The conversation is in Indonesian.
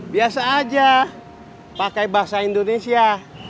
biasa aja pakai bahasa indonesia